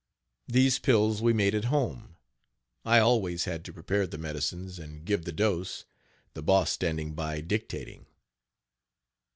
These pills we made at home, I always had to prepare the medicines, and give the dose, the Boss standing by dictating.